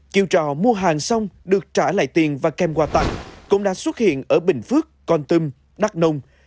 chiều trò mua hàng xong được trả lại tiền và kem quà tặng cũng đã xuất hiện ở bình phước con tâm đắk nông